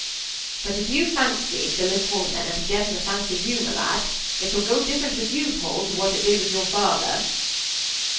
But if you fancy Phillis Holman, and can get her to fancy you, my lad, it shall go different with you, Paul, to what it did with your father."